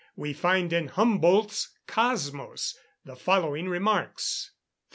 We find in Humboldt's "Cosmos" the following remarks: 1335.